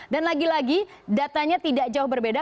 lagi lagi datanya tidak jauh berbeda